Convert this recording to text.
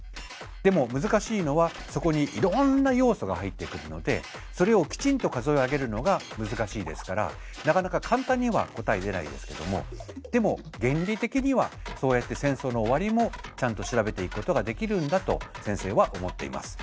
でも難しいのはそこにいろんな要素が入ってくるのでそれをきちんと数え上げるのが難しいですからなかなか簡単には答え出ないですけどもでも原理的にはそうやって戦争の終わりもちゃんと調べていくことができるんだと先生は思っています。